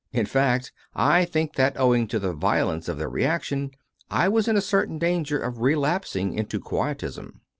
In fact, I think that, owing to the violence of the reaction, I was in a certain danger of relapsing into Quietism.